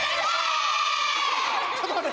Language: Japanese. ちょっと待って。